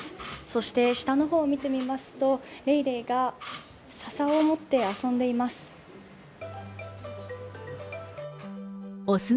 そして、下の方を見てみますと、レイレイが笹を持って遊んでいます。